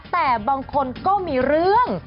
แต่บางคนก็มีเรื่อง